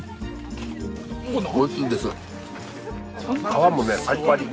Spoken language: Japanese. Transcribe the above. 皮もねパリパリ。